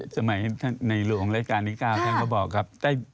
สมัยในหลวงราชการที่๙ท่านก็บอกครับ